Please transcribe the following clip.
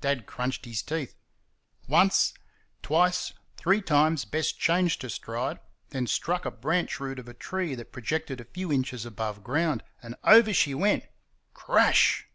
Dad crunched his teeth. Once twice three times Bess changed her stride, then struck a branch root of a tree that projected a few inches above ground, and over she went CRASH!